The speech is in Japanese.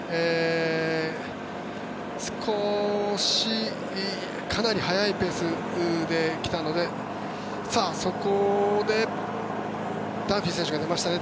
少しかなり速いペースで来たのでそこでダンフィー選手が出ましたね。